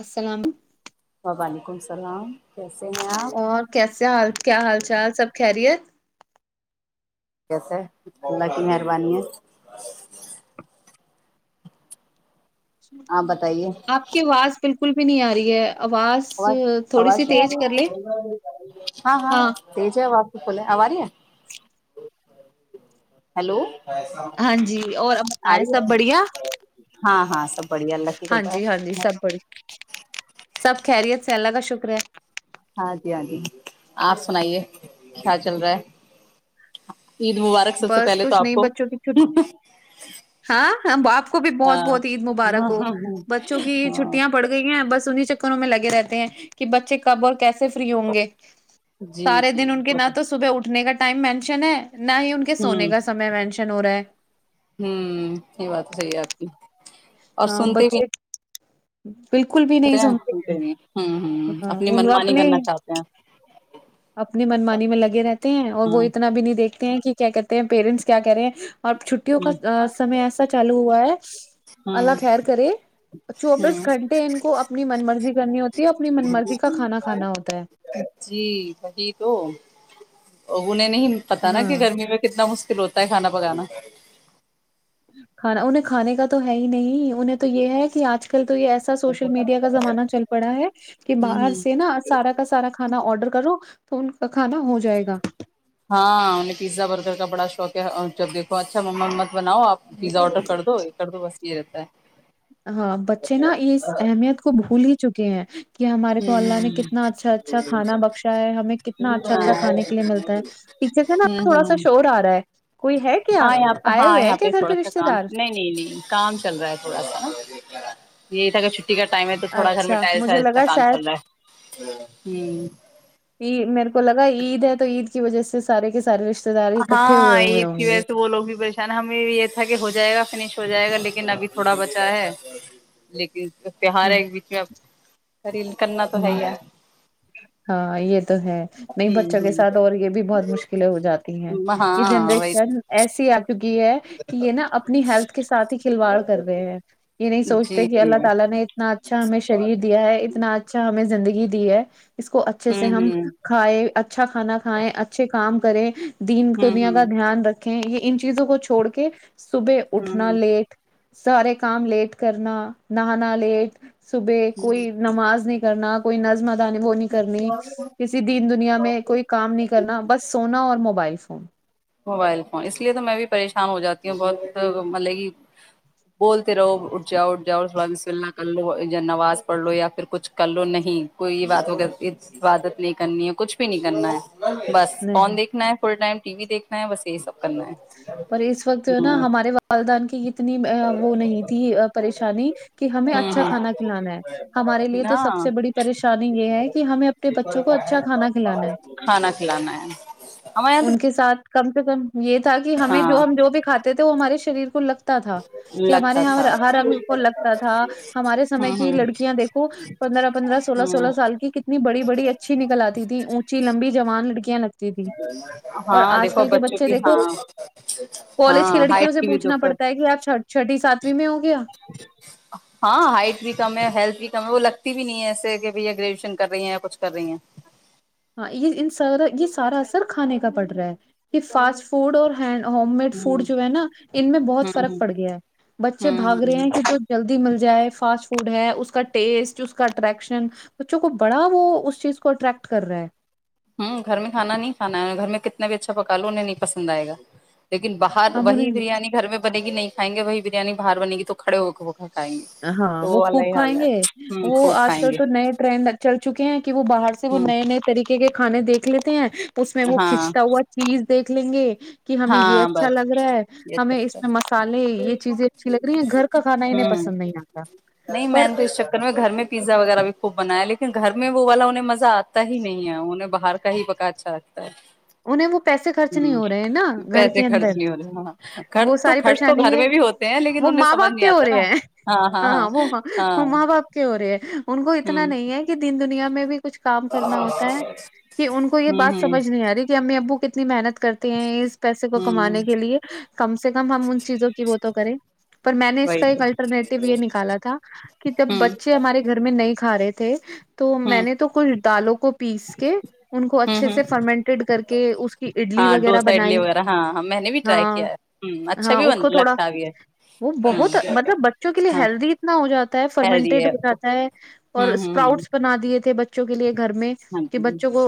السلام وعلیکم السلام کیسے ہیں آپ اور کیسے حال کیا حال چال سب کہہ رہی ہے سے اللہ کی مہربانی ہے آپ بتائیے آپ کی آواز بالکل بھی نہیں آ رہی ہے آواز تھوڑی حواز سی نہیں آ تیز رہ کر لے ہاں ہاں ت جو ہے وپ بے آو رہی ہیں ہلو ہاں جی اور سب بتائے سب ہے بڑھیا ہاں ہاں سب بڑھیا اللہ کی ہاں کرپا جی ہاں جی ہے سب بڑی سب خیریت سے اللہ کا شکریہ ہاں جی ہاں جی آپ سنائیے کیا چل رہا ہے عید مبارک سب سے بس پہلے تو کچھ آپ نہیں کو بچوں کی چ ہاں باپ کو بھی بہت ہاں بہت عید ہاں مبارک ہو ہاں بچوں کی ہاں چھٹیاں پڑ گئی ہیں بس انیں وں میں لگے رہتے ہیں کہ بچے کب اور کیسے فری ہوں گے جی سارے جی دن ان کے ن تو صبح اٹھنے کا ٹائم مینشن ہے نہ ہی ان کے ھم سونے کا سمے مینشن ہو رہا ہے یہ بات سی آپتی ہاں بچے [inaudible] بالکل بھی تے نہیں سنتے ہیں نہیں ہوں ہوں ہ اپنی ان منمانی اپنے کرنا چاہتے ہیں اپنی منمانی میں لگے رہتے ہیں اور وہ ہوں اتنا بھی نہیں دیکھتے ہیں کہ کیا کہتے ہیں پییرنٹس کیا کہہ رہے ہیں اور چھٹیوں ہوں کا سمے ایسا چالو ہوا ہے اللہ ہوں خیر کرے چوبیس ہوں گھنٹے ان کو اپنی من مرضی کرنی ہوتی ہے اپنی من مرضی کا کھانا کھانا ہوتا ہے اگ نے نہیں پتا نا ہاں کہ گرمی میں کتنا مشکل ہوتا ہے کھا بول نا کھانا انہیں کھانے کا تو ہے ہی نہیں انہیں تو یہ ہے کہ آج کل چل تو یہ ایسا سوشل میڈیا کا زمانہ چل پڑا ہے کہ باہر ہوں سے نا سارا کا سارا کھانا آڈر کرو توون کا کھانا ہو جائے گا ہاں پیزا بر کا بڑا شوق ہے اور جب دیکو اچھا م مت بناؤ آپ پیزا آرڈر کر دو یہ کر دو بس ایرت ہاں بچے نا اس اہمیت کو بھول ہی چکے ہیں کہ ہمارے کو اللہ نے ہوں کتنا اچھا اچھا کھا بخشا ہے ہمیں کتنا اچھا ہاں اچھا کھانے کے لیے ملتا ہے ٹھیکر سے نا ہوں تھوڑا سا ہوں شور آ رہا ہے کوئی ہے کیا ہاں یہاں پ آئے ہاں ہوئے ہیں یہاں کیا پہ گھر تھوڑا سا رشتے کام دار نہیں نہیں نہیں کام چل رہا ہے تھوڑا سا یہی تھا کہ چٹی کا ٹائم ہے تو تھوڑا سھر اچھا مٹ مجھے سز کا لگا کام شاید چل رہا ہے ہ یہ میرے کو لگا عید ہے تو عید کی وجہ سے سارے کے سارے رشتے دار اکٹھے ہاں ہوئے ہوئے عید کی ہوں وجہ گے سے وہ لوگ بھی پریشان ہمیں بھی یہ تھا کہ ہو جائے گا فش ہو جائے گا لیکن ابھی تھوڑا بچا ہے لیکن تہوار ہ ہے کیونکہ اب کرنا تو ہے ہ ہی ہے ہاں یہ تو ہے نہیں بچوں کے ہوں ساتھ اور یہ بھی بہت مشکلیں ہو جاتی ہیں ہوں یہ ہاں وہی جنریشن ایسی ہے کیونکہ یہ کہ یہ نا اپنی ہیلتھ کے ساتھ ہی کھلواڑ کر رہے ہیں یہ نہیں سوچتے جی کہ جی اللہ ہوں تعالی نے اتنا اچھا ہمیں شریر دیا ہے اتنا اچھا ہمیں زندگی دی ہے اس کو اچھے سے ہم ہوں کھائے اچھا کھانا کھائائے اچھے کام کریں دین ہوں دنیا کا ہوں دھیان رکھ یہ ان چیزوں کو چھوڑ کے صبح اٹھنا ہوں لیٹ سارے کام لیٹ کرنا نہانا لیٹ صبح کوئی نماز نہیں کرنا کوئی نظم ا د نہیں وہ نہیں کرنی کسی دین دنیا میں کوئی کام نہیں کرنا بس سونا اور موبائل فون موبائل فون اس لیے تو میں بھی پریشان ہو جاتی ہوں بہت مطلب کہ بولتے رہو اٹھ جاؤ اٹھ جاؤ اس بسم اللہ کر لو یا نواز پڑھ لو یا پھر کچھ کر لو نہیں کوئی یہ بات ہو عبادت نہیں کرنی ہے کچھ بھی نہیں کرنا ہے بس نہیں فون دیکھنا ہے فل ٹائم ٹی و دیکھ نہیں بس یہی سب کرنا ہے پر اس وقت جو ہے نا ہ ہمارے والدان کی اتنی وہ نہیں تھی پریشانی کہ ہمیں ہوں اچھا ہ کھانا کھلانا ہے ہمارے لیے تو سب ہاں سے بڑی پریشانی یہ ہے کہ ہمیں اپنے بچوں کو اچھا کھانا کھلانا ہے کھانا کھلانا ہے ہمارے یہاں ان کے ساتھ کم سے کم یہ کہ تو ہمیں ہاں جو ہم جو بھی کھاتے تھ وہ ہمارے شریر کو لگتا تا تھا کہ ہمارے لگتا تھا یہاں ہر رگ کو لگتا تھا ہمارے سمے ہ کی ہ لڑکیاں دیکھو پندرہ پندرہ سولہ ہ سولہ سال کی کتنی بڑی بڑی اچھی نکل آتی تھی اونچی لمبی جبان لڑکیاں لگ ہاں دیکھو بچوں بچے کی دیکھو ہاں کالج کی ہاں ہائٹ لڑکیوں سے بھی پوچھنا پڑتا دقت ہے کہ آپ چرچا سات ہاں ہائٹ بھی کم ہیلھ بھی کم وہ لگتا بھی نہیں ہے ایسے کہ بھیا گریجویشن کر رہی ہیں یا کچھ کر رہی ہیں ہاں یہ سارا یہ سارا کھانے کا پڑ رہا ہے کہ فاسٹ فوڈ اور ہینڈ ہوم میڈ ہ فوڈ جو ہے نا ان میں بہت فرق ہوں پڑ گیا ہے ہ بچے ہوں بھاگ رہے ہیں کہ ہ جو جلدی مل جائے فاسٹ فڈ ہے اس کا ٹیسٹ اس کا اٹریکشن بچوں کو بڑا وہ اس چیز کو اٹریکٹ کر رہا ہے ہوں گھر میں کھانا نہیں کھانا ہے گھر میں کتنا بھی اچھا پکا لو انہیں نہیں پسند آئے گا لیکن باہر ہم وہی انہیں بریانی گھر میں بنے گی نہیں کائیں گے وہی بریانی باہر بنے گی تو کڑے ہو گ وہ کھ ہاں وہ خوب کھائیں گے ہوں وہ خوب آج کھائیں کل گے تو نئے ٹرینڈ چل چکے ہیں کہ وہ باہر سے وہ ہوں نئے نئے طریقے کے کھانے دیکھ دکھ لیتے ہیں اس میں وہ ہاں کھنچتا ہوا چیز دیکھ لیں گے کہ ہمیں یہ ہاں اچھا بس لگ رہا ہے یہ ہمیں اس سب میں مسالے یہ چیزیں اچھی لگ رہی ہیں گھر کا کانا ان ہوں نہیں میں تو اس چکر میں گھر میں پیزا وغیرہ بھی خوب بنایا لیکن گھر میں وہ والا انہیں مزہ آتا ہی نہیں ہے انہیں باہر کا ہی پکا اچھا ہے انہیں وہ پیسے خرچ نہیں ہوں ہو رہے ہیں نا گھر پیسے کے اندر خرچ نہیں ہو رہے ہاں وہ خرچ تو ساری خرچ تو پریشانی گھر ہے میں بھی ہوتے ہیں لیکن وہ انہیں ماں سمجھ باپ نہیں کے ہو آتا نا رہے ہیں ہاں وہ ہاں وہ ماں باپ کے ہو رہے ہیں ان کو اتنا ہوں نہیں ہے کہ دین دنیا میں بھی کچھ کام کرنا ہوتا ہے کہ ان کو یہ ہوں بات سمجھ ہوں نہیں آ رہی ابو کتنی محنت کرتے ہیں اس پیسے کو ہوں کمانے کے لیے کم سے کم ہم ان چیزوں کی ب تو کریں پر میں نے اس وہی کا تو ایک الٹرنیٹو یہ نکالا تھا کہ جب ہوں بچے ہمارے گھر میں نہیں کھا رہے تھے کہ تو میں ہوں نے تو کچھ دالوں کو پیس کے ان کو ہوں اچھے ہوں سے فرمنٹیڈ کر کے کہ اس کی اڈلی ہاں وغیرہ ڈوسا اڈلی بنائی وغیرہ ہاں ہاں میں نے بھی ٹرائی ہاں کیا ہے ہ اچھا ہاں بھی اس بن کو تھوڑا لگتا بھی ہے وہ بہت ہ مطلب بچوں کے لیے ہاں ہیلدی اتنا ہو جاتا ہے ہیلدی فرمنٹیڈ ہے ہو جاتا ہوں ہے اور ہوں اسپراؤٹس بنا دیے تھے بچے چ کے لیے گھر میں ہاں کہ ہوں بچوں کو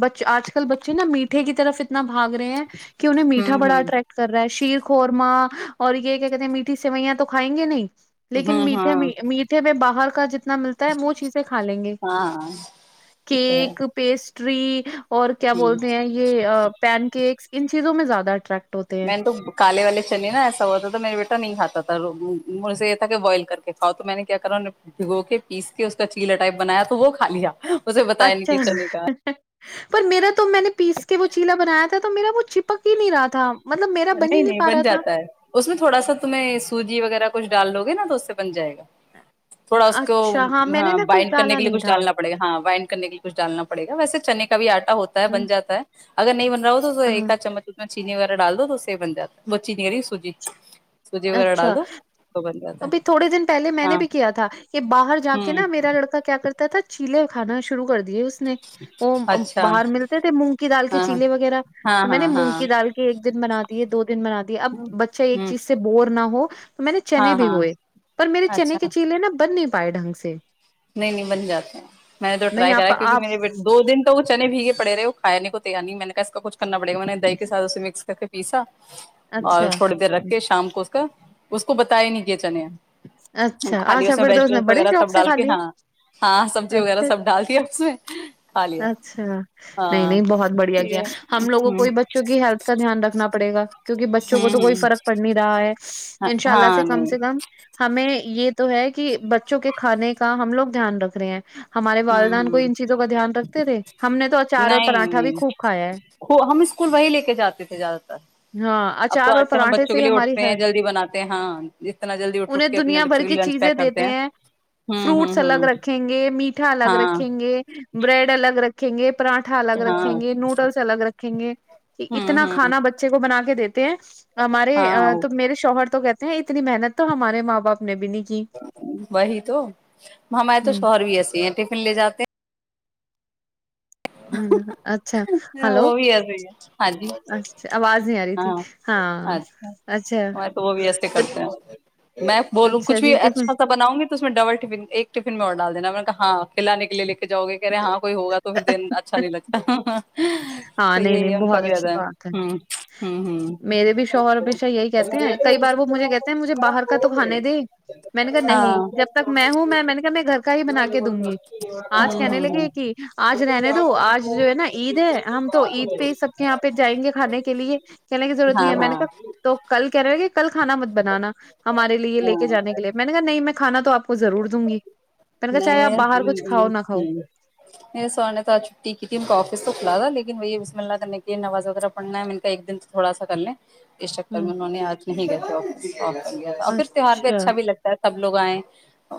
ب آج کل بچے ن میٹ کی طرف اتنا بھاگ رہے ہیں کہ انہیں میٹھا بڑا ہوں اٹریکٹ کر رہا ہے شیر خورما اور یہ کیا کہتے ہیں میٹھی سوئیاں تو کھائیں گے نہیں لیکن ہوں میٹھے ہاں میٹھے میں باہر کا جتنا ملتا ہے وہ چیزیں سے کھا لیں گے ہاں یہ تو ہے کیک پیسٹ ٹری [inaudible] اور کیا ہوں بولتے ہیں پین کے ان چیزوں میں زیادہ اٹریکٹ ہوتے ہیں میں نے تو کالے والے چنی نا ایسا ہوتا تھا میرا بیٹا نہیں کھاتا تھا مجے یہ تھا کہ بوائل کر کے کھؤ تو میں نے کیا کرا بھگو کے پیس کے اس کا چیلا ٹائپ بنایا تو وہ کھا لیا اسے بتایا ن کی سنی کا اچھا پر میرا تو میں نے پیس کے وہ چیلا بنایا تھا تو میرا وہ چپک ہی نہیں رہا تھا مطلب میرا ہی نہیں نہیں پا بن رہا تھا جاتا ہے اس میں تھوڑا سا تمہیں سوجی وغیرہ کچھ ڈال لو گے نا تو اس سے بن جائے گا تھوڑا اس کو اچھا میں نے ہاں نا کچھ بائنڈ کرنے ڈالا کے نہیں لیےچھ تھا ڈالنا پڑے گا ہاں بائنڈ کرنے کے لیے کھ ڈالنا پڑے گا ویسے چنے کے کب آٹھ ہوتا ہے ہ بن جاتا ہے اگر نہیں را ہو ہاں ایکا چمچ میں چینی وغہ ڈال دو بن جات بچی نہیں کر رہی سوجی سوجی وغیرہ اچھا ڈال دو تو بن جاتا ہے ابھی تھوڑے دن پہلے میں نے ہاں بھی کیا تھا کہ باہر جا کے ہوں نا میرا لڑکا کیا کرتا تھا کیلے اکھانا شروع کر دیے اس وہ اچھا باہر ملتے تھے مونگ کی دال کے ہاں چیلے وغیرہ ہاں تو میں نے ہاں ہاں مونگی دال کے ایک دن بنا دیے دو دن بنا دییا اب بچہ ایک ہ چیز سے بور نہ ہو میں نے چنے ہاں بھی ہاں گوئے پر میرے اچھا چنے کے چیلے نا بن نہیں پائے ڈھنگ سے [inaudible] نہیں نہیں بن جاتے ہیں میں نے تو نہیں ٹرائی کرا آپ کیونکہ آپ میرے بیے دو دن تو وہ چنے بھیگے پڑے وہ کائےے کوی نہیں ہے میں نے کہا اس کاچ کرنا بڑے نے د کےاتھ اسے مکس کر کے پیسہ [unintelligible] اور اچھا تھوڑی دیر رکھ کے شام کو اس کا اس کو بتیا نہیں چل اچھا خالی اچھا اس میں پھر تو نے ویجیٹیبلس بڑے وغیرہ شوق سب سے ڈال کھا لیے ہاں ہاں سبزی وغیرہ اچھا سب ڈالتی ہے اس میں ہ [unintelligible] اچھا نہیں نہیں بہت بڑھیا گ یہ ہم لوگوں ہ کو ہی بچوں کی ہیلتھ کا دھیان رکھنا پڑے گا کیونکہ بچوں کو تو ہ کوئی فرق پڑ نہیں رہا ہے ہ انشاء اللہ سے ہاں کم نہیں سے کم ہمیں یہ تو ہے کہ بچوں کے کھانے کا ہم لوگ دھیان رکھ رہے ہیں ہمارے ہ والدان کو ہ ان چیزوں کا دھیان رکھ نہیں نہیں کھایا ہے ہم اسکول وہی لے کے جاتے تھے زیادہ تر ہاں اب تو اچار آج اور کل ہم پراٹھے بچوں کے سے لیے ہماری اٹھتے ہیھ ہیں جلدی بناتے ہیں ہاں جس طرح جلدی اٹھ انہیں اٹھ کے اپنے دنیا بھر بچوں کے کی لیے لنچ چیزیں پیک کرتے دیتے ہیں ہوں ہوں فروٹس الگ ہوں رکھیں گے میٹھا الگ ہاں رکھیں گے بریڈ رکھیں گے پراٹھا الگ ہاں رکھیں گے نوڈلس الگ رکھیں گے کہ ہوں اتنا ہوں کھانا بچے کو بنا کے [unintelligible] ہیں ہمارے ہاں تو میرے شوہر تو کہتے ہیں اتنی محنت تو ہمارے ماں باپ نے بھی نہیں کی وہی تو ہمارے تو ہ شوہروی ایسے ہیں ٹفن لے جاتے ہیں اچھا ہلو وہ بھی ایسے ہی ہے ہاں جی اچھا آواز نہیں آ رہی تھی ہاں ہاں اچھا تو وہ بھی ایسے تو کرتے ہیں میں بولوں کچھ بھی جی ٹفن اچھا سا بناؤں گی تو اس میں ڈبل ایک فن میں اور ڈال دینا ہاں کلا نکلے نک جاؤے کہہ رہے ہاں کوئی ہوگا تو دن اچھا نہیں لگتا ہاں تو نہیں نہیں یہی ان کا بہت بھی اچھی رہتا بات ہے ہوں ہوں ہوں میرے بھی شوہر ہمیشہ یہی کہتے ہیں کئی بار وہ مجھے کہتے ہیں مجھے باہر کا تو کھانے دے میں نے کہا ہاں نہیں جب تک میں ہوں میں میں نے کہا میں گھر کا ہی بنا کے دوں گی آج ہوں کہنے ہوں ہوں لگے کہ آج رہ ن تو آج جو ہے نا عید ہے ہم تو عید پہ سب کے یہاں پہ جائیں گے کھانے کے لیے کہنے کی ضرورت نہیں ہاں ہے میں نے ہاں کہا تو کل کہ رہے کہ کل کھانا مت بنانا ہمارے لیے لے کے جانے کے لیے میں نے کہا نہیں میں ھانا تو آ نہیں میں باہر کچھ کھاؤ نہ کھاؤ ہ مے س نے تو آج چھٹی کی تھی م کا آفس تو کھلا تھا لیکن لیکنی یہ بسم اللہ کرنے کے نواز وغیرہ پڑنا ہے م کا ایک دن تو تھوڑا سا کر لیں اس چکر میں انہوں نے آج نہیں گ ا اور پھر تیوار بھی اچھا بھی لگتا ہے سب لوگ آئےیں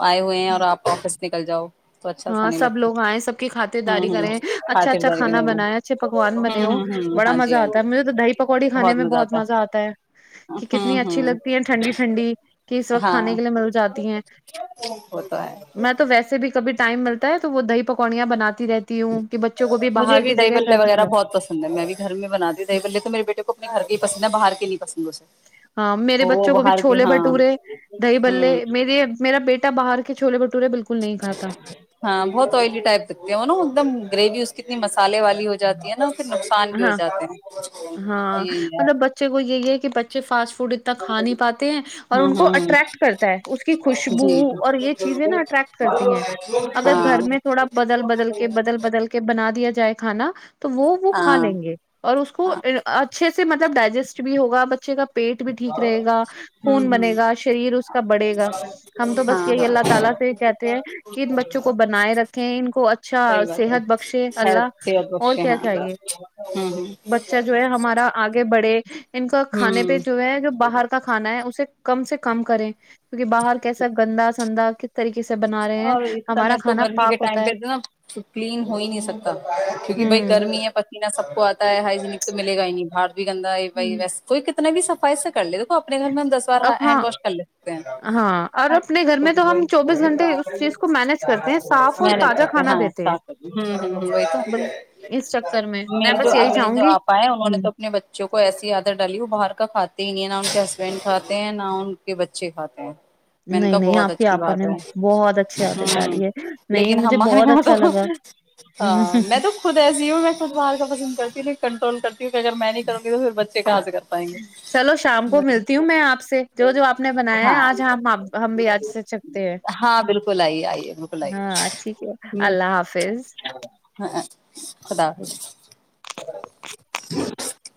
آئے ہوئے ہیں اور آپ واپس نکل جاؤ تو اچھا سا ہاں نہیں سب لگتا لوگ آئیں سب کی کھات ہوں داری کریں ہوں اچھا خاطر اچھا داری کے کھانا نہیں ہوں بنیں اچھے پکوان بنے ہو ہوں ہوں بڑا ہاں مزہ جی ہاں آتا ہے جی مجھے تو دہی پکوڑی کھانے میں بہت مزہ آتا ہے ہے کہ کتنی ہوں اچھی ہوں لگتی ہے ٹھنڈی ٹھنڈی کہ اس وقت ہاں کھانے کے لیے مل جاتی ہیں وہ تو ہے میں تو ویسے بھی کبھی ٹائم ملتا ہے تو وہ دہ پکوڑیاں بناتے مجھے بھی دہی بلے گھر میں وغیرہ کھلاؤ۔ بہت پسند ہے میں بھی گھر میں بناتی ہ دی بلے تو میرے بیٹے کو اپنے گھر کے ہی پسند ہے باہر کے لی نہیں پسند اسے ہاں میرے وہ بچوں کو بھی باہر کے چھوولے ہاں بھٹورے دہی بلے ہوں میرے میرا بیٹا باہر چو ب ہاں بہت آئلی ٹائپ رکھتی ہو نا ایک دم گریوی اس کتنی مس سالے والی ہو جاتی ہے نا پھر نقصان بھی ہو ہاں جاتے ہیں ہاں یہی ہے مطلب بچے کو یہی ہے کہ بچے فاسٹ اتنا کھا نہیں پاتے ہیں اور ہوں ان کو ہوں اٹرٹ کرتا ہے اس کی خوشبو جی اور یہ چیزیں نا اٹریکٹ کرتی ہیں اگر ہاں گھر میں تھوڑا بدل بدل کے بدل بدل کے بنا دیا ج ہے نا تو وہ وہ کھا ہاں لیں گے اور اس کو اچھے سے سے مطلب ڈائجیسٹ بھی ہوگ بچے کا پیٹ بھی ٹھیک رہے گا ہوں خون ہوں بنے گا شریر اس کا بڑھے گا ہم تو ہاں بچ گئی ہاں اللہ تعالی سے کہتے ہیں جن بچوں کو بنائے رکھیں ان کو اچھا صحت بخشے اللہ ت اور پھے کیا ہاں چاہیے ہوں ہ بڑے ان کا کھانے پہ جو ہے جو باہر کا کھانا ہے اسے کم سے کم کریں کیونکہ باہر کیسا گندا سندا طریقے سے بنا رہے ہیں اور اس ہمارا سمے تو کھانا گرمی پاک کے ہوتا ٹائم پہ ہے نا کلین ہو ہی نہیں سکتا کیونکہ بائی ہوں گرمی ہے پ ینا سب کو آتا ہے ہائیجینک تو ملے گا ہی نہیں بار بھی کہندا ہے بائی ویس کوئی ک اپنا بھی صفائی س کر ل دیکھو اپنے گھر میں ہم دس بار اب ہاں ہینڈ واش کر لیتے ہیں نا ہاں اور اپنے گھر میں تو ہم وہی چوبیس گھنٹے اس چیز کو مینج کرتے ہیں صاف اور محنت تازہ کرتے کھانا ہاں ہ دیتے ہیں ہ بل اس چکر میں وہی میں تو جو بس ا یہی چاہوں جو گی آپا ہے انہوں نے ہ تو اپنے بچوں کو ایسی آدر ڈالی وہ باہر کا کھ تین یہ نہ ان کے ہسبینڈ کھاتے ہیں نہ ان کے بچے کھاتے ہیں نہیں نہیں آپ ہی آپ نے بہت اچھی عادت ہ ڈالی ہے نہیں لیکن مجھے ہمارے بہت وہاں تو اچھا لگا ہاں میں تو خود ایسی ہوں میںتوار کا پسند ج کنرول کر پائیں گے چلو شام کو ملتی ہوں میں آپ سے جو جو آپ نے بنایا ہے ہاں آج ہم ہم بھی آج سے ہیں ہاں بالکل آئیے آئیے بالکل آئیے ہاں ٹھیک ہے ہ اللہ حافظ ہ خد حافظ ج [unintelligible]